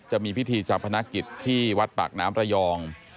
จะมีพิธีจับพนักกิจที่วัดปากน้ำระยอง